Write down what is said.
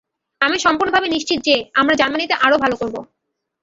আমি সম্পূর্ণভাবে নিশ্চিন্ত যে, আমরা জার্মানীতে আরও ভাল করব।